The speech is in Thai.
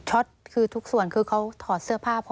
คือทุกส่วนคือเขาถอดเสื้อผ้า